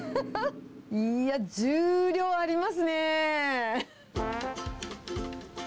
いや、重量ありますね。